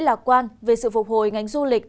lạc quan về sự phục hồi ngành du lịch